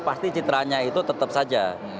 pasti citranya itu tetap saja